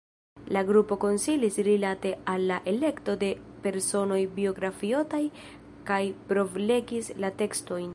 La grupo konsilis rilate al la elekto de personoj biografiotaj kaj provlegis la tekstojn.